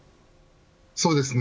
そうですね。